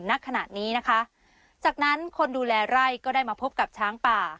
ณขณะนี้นะคะจากนั้นคนดูแลไร่ก็ได้มาพบกับช้างป่า